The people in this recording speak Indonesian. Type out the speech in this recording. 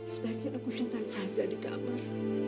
sebaiknya aku simpan saja di kamar